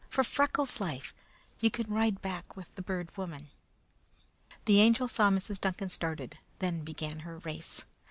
For Freckles' life! You can ride back with the Bird Woman." The Angel saw Mrs. Duncan started; then began her race.